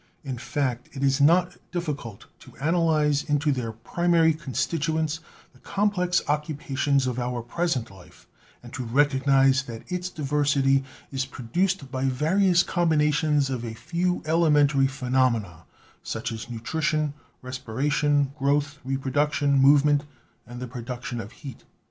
In fact, it is not difficult to analyze into their primary constituents the complex occu pations of our present life, and to recognise that its diversity is produced by various combinations of a few elementary phenomena, such as nutrition, respiration, growth, reproduction, movement and the production of heat."